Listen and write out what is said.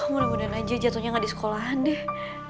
mudah mudahan aja jatuhnya nggak di sekolahan deh